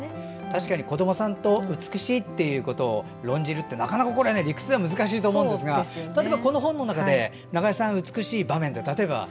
確かに子どもさんと美しいってことを論じるって、なかなか理屈では難しいと思うんですが例えば、この本の中で中江さんが美しいと思った場面